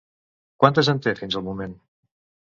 Quantes en té, fins al moment?